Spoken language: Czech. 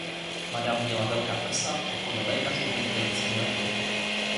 Madame měla velká prsa a podle lékařů vynikající mléko.